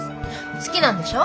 好きなんでしょ。